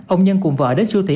ông nhân cùng vợ đến siêu thị